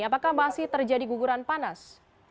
apakah masih terjadi guguran panas